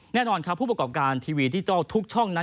แน่นอนครับผู้ประกอบการทีวีดิจิทัลทุกช่องนั้น